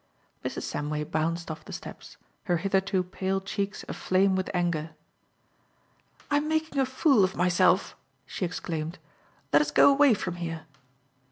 Mrs. Samway bounced off the steps, her hitherto pale cheeks aflame with anger. "I am making a fool of myself," she exclaimed. "Let us go away from here."